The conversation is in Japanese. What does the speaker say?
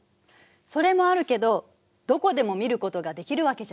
それもあるけどどこでも見ることができるわけじゃないの。